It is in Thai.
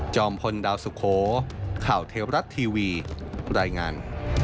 พลดาวสุโขข่าวเทวรัฐทีวีรายงาน